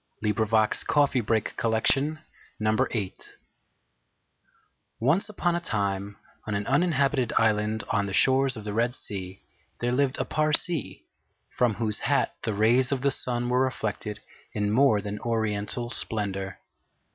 HOW THE RHINOCEROS GOT HIS SKIN ONCE upon a time, on an uninhabited island on the shores of the Red Sea, there lived a Parsee from whose hat the rays of the sun were reflected in more than oriental splendour.